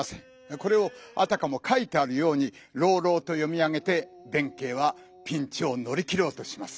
これをあたかも書いてあるように朗々と読み上げて弁慶はピンチをのり切ろうとします。